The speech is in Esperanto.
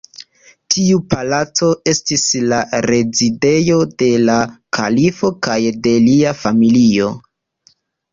Tiu Palaco estis la rezidejo de la kalifo kaj de lia familio.